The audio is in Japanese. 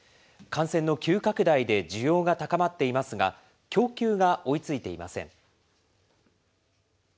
感染の急拡大で需要が高まっていますが、供給が追いついていません。